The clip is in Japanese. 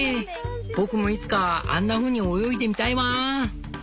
僕もいつかあんなふうに泳いでみたいわぁん」。